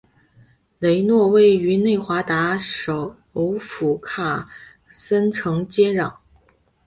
雷诺位于内华达州首府卡森城接壤。